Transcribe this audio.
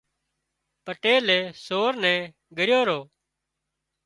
پٽيلئي سور نين ڳريو رو